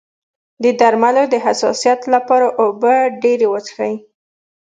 د درملو د حساسیت لپاره اوبه ډیرې وڅښئ